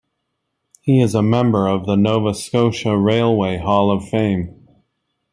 He is a member of the Nova Scotia Railway Hall of Fame.